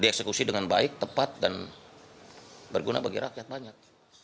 dieksekusi dengan baik tepat dan berguna bagi rakyat banyak